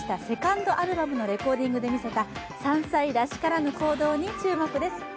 セカンドアルバムのレコーディングで見せた３歳らしからぬ行動に注目です。